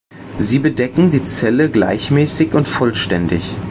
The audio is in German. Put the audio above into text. Sie bedecken die Zelle gleichmäßig und vollständig.